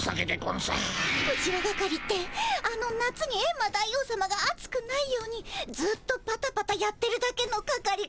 ウチワ係ってあの夏にエンマ大王さまが暑くないようにずっとパタパタやってるだけの係かい？